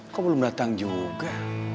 kok belum datang juga